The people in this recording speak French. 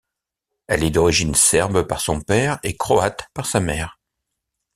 Elle est d'origine serbe par son père et croate par sa mère.